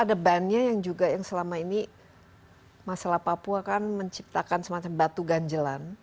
dan yang selama ini masalah papua kan menciptakan semacam batu ganjelan